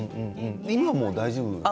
今は大丈夫なんですか？